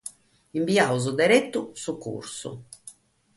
Imbiamus deretu sucursu.